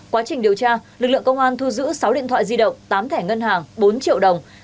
quá trình điều tra lực lượng công an thu giữ sáu điện thoại di động tám thẻ ngân hàng bốn triệu đồng